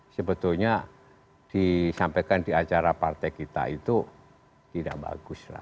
sebetulnya disampaikan di acara partai kita itu tidak bagus lah